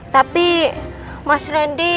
tapi mas randy